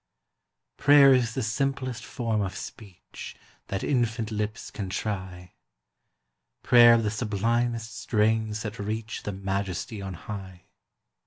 Prayer is the simplest form of speech That infant lips can try Prayer the sublimest strains that reach The majesty on high.